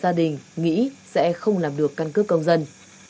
gia đình nghĩ sẽ không làm được căn cước công dân